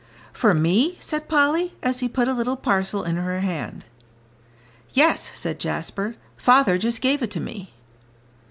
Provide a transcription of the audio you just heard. "For me," said Polly, as he put a little parcel in her hand. "Yes," said Jasper, "father just gave it to me."